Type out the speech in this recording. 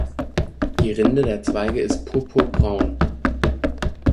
Die Rinde der Zweige ist purpur-braun.